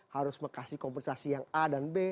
harus mengasih kompensasi yang a dan b